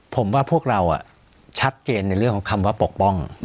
ผมว่าพวกเราชัดเจนในเรื่องของคำว่าปกป้อง